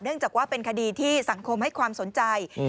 จากว่าเป็นคดีที่สังคมให้ความสนใจ